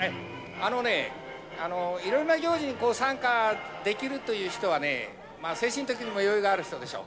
あのね、いろんな行事に参加できるという人はね、精神的にも余裕がある人でしょ。